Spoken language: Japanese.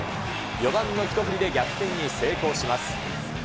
４番の一振りで逆転に成功します。